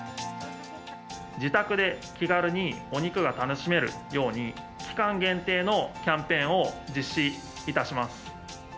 自宅で気軽にお肉が楽しめるように、期間限定のキャンペーンを実施いたします。